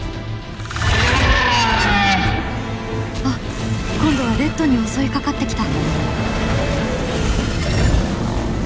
あっ今度はレッドに襲いかかってきた。